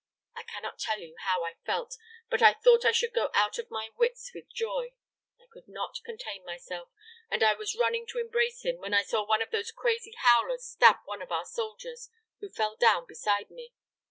I cannot tell you how I felt; but I thought I should go out of my wits with joy; I could not contain myself, and I was running to embrace him, when I saw one of those crazy howlers stab one of our soldiers, who fell down beside me.